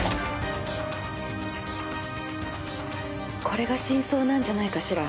これが真相なんじゃないかしら？